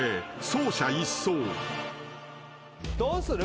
どうする？